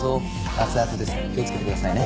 熱々ですから気をつけてくださいね。